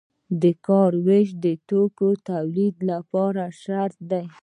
د کار ویش د توکو د تولید لپاره شرط دی.